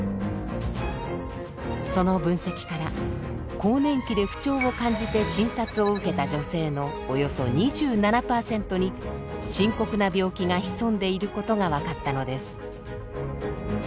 その分析から更年期で不調を感じて診察を受けた女性のおよそ２７％に深刻な病気が潜んでいることが分かったのです。